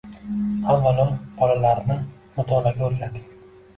Avvalo, bolalarni mutolaaga o‘rgating